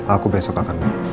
aku besok akan